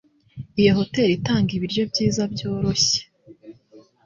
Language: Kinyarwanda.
Iyo hoteri itanga ibiryo byiza byoroshye